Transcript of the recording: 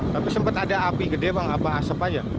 tapi sempat ada api gede bang apa asap aja